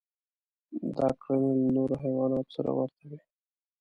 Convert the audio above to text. دا کړنې له نورو حیواناتو سره ورته وې.